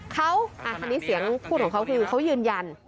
อันนี้เสียงพูดของเขาคือเขายืนยัน